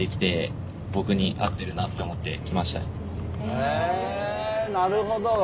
へえなるほど。